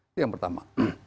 itu yang pertama